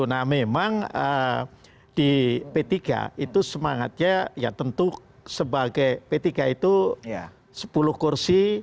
nah memang di p tiga itu semangatnya ya tentu sebagai p tiga itu sepuluh kursi